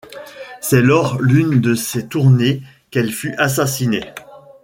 C'est lors d'une de ces tournées qu'elle fut assassinée.